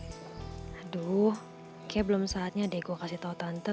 aduh kayaknya belum saatnya deh gue kasih tahu tante